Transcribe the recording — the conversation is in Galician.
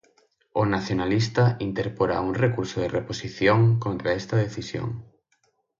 O nacionalista interporá un recurso de reposición contra esta decisión.